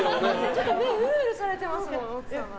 ちょっとうるうるされてますもん、奥様。